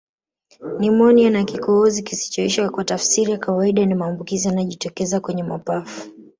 Nimonia na kikohozi kisichoisha kwa tafsiri ya kawaida ni maambukizi yanayojitokeza kwenye mapafu